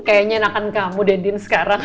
kayaknya enakan kamu dendin sekarang